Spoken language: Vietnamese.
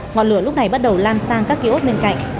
ngọn lửa lúc này bắt đầu lan sang các ký ốt bên cạnh